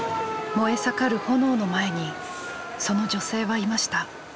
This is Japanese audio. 燃え盛る炎の前にその女性はいました。